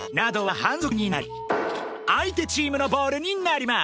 反則になり相手チームのボールになります！